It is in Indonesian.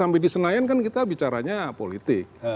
sampai di senayan kan kita bicaranya politik